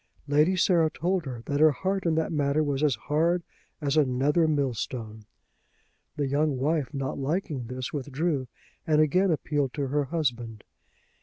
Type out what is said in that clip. Lady Sarah told her that her heart in that matter was as hard as a nether millstone. The young wife, not liking this, withdrew; and again appealed to her husband.